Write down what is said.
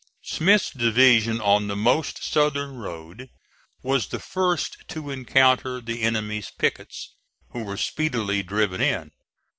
Smith's division on the most southern road was the first to encounter the enemy's pickets, who were speedily driven in.